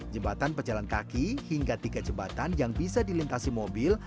jembatan pejalan kaki hingga tiga jembatan yang bisa dilintasi mobil